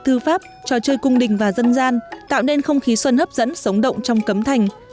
thư pháp trò chơi cung đình và dân gian tạo nên không khí xuân hấp dẫn sống động trong cấm thành